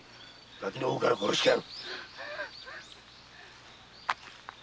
ガキの方から殺してやる。